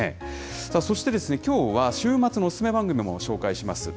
そして、きょうは週末のお勧め番組も紹介します。